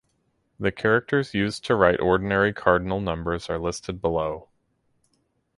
The characters used to write ordinary cardinal numbers are listed below.